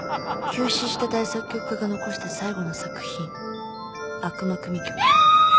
急死した大作曲家が残した最後の作品『悪魔組曲』キャ！